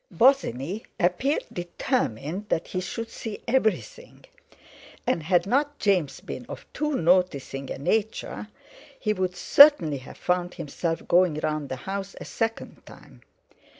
Bosinney appeared determined that he should see everything, and had not James been of too "noticing" a nature, he would certainly have found himself going round the house a second time.